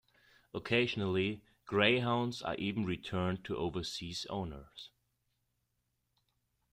Occasionally greyhounds are even returned to overseas owners.